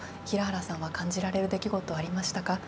平原さんは感じられる出来事ありましたか？